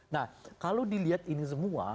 nah kalau dilihat ini semua